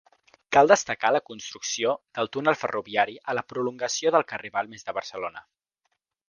Cal destacar la construcció del túnel ferroviari a la prolongació del carrer Balmes de Barcelona.